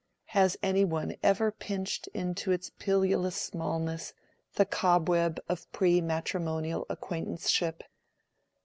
Has any one ever pinched into its pilulous smallness the cobweb of pre matrimonial acquaintanceship?